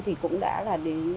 thì cũng đã là đến